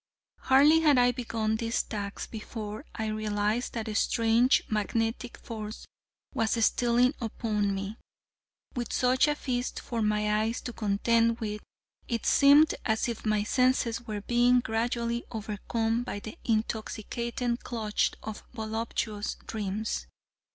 Hardly had I begun this task before I realized that a strange magnetic force was stealing upon me. With such a feast for my eyes to contend with, it seemed as if my senses were being gradually overcome by the intoxicating clutch of voluptuous dreams.